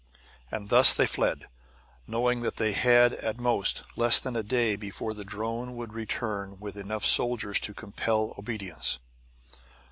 And thus they fled, knowing that they had, at most, less than a day before the drone would return with enough soldiers to compel obedience.